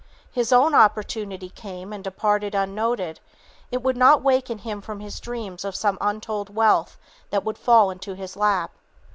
His own opportunity came and departed unnoted, it would not waken him from his dreams of some untold wealth that would fall into his lap.